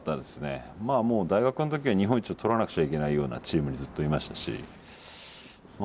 まあもう大学の時は日本一を取らなくちゃいけないようなチームにずっといましたしまあ